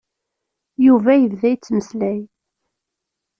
Yuba yebda yettmeslay.